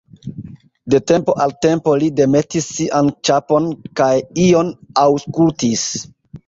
De tempo al tempo li demetis sian ĉapon kaj ion aŭskultis.